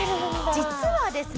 実はですね